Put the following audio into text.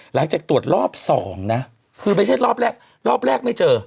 หลังจากตรวจรอบสองนะคือไม่ใช่รอบแรกรอบแรกไม่เจอ